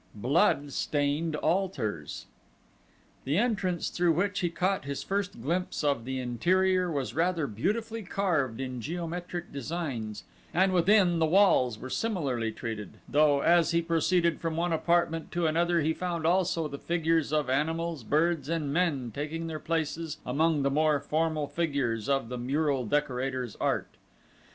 9 Blood Stained Altars The entrance through which he caught his first glimpse of the interior was rather beautifully carved in geometric designs, and within the walls were similarly treated, though as he proceeded from one apartment to another he found also the figures of animals, birds, and men taking their places among the more formal figures of the mural decorator's art.